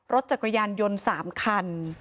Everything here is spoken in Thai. รถจักรยานยนต์๓คัน